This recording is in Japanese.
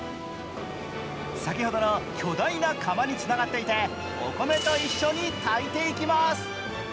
先ほどの巨大な釜につながっていてお米と一緒に炊いていきます。